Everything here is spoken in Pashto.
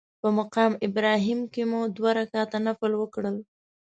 په مقام ابراهیم کې مو دوه رکعته نفل وکړل.